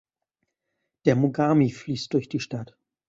Der Mogami fließt durch die Stadt.